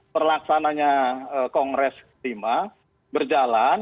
perlaksananya kongres lima berjalan